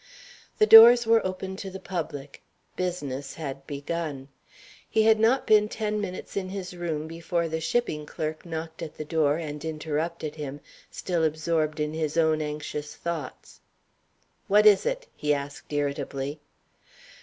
The doors were open to the public; business had begun. He had not been ten minutes in his room before the shipping clerk knocked at the door and interrupted him, still absorbed in his own anxious thoughts. "What is it?" he asked, irritably.